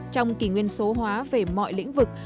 trong kỷ nguyên số hóa về mọi lĩnh vực